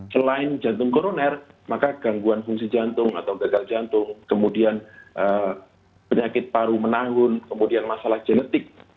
selain jantung koroner maka gangguan fungsi jantung atau gagal jantung kemudian penyakit paru menanggun kemudian masalah genetik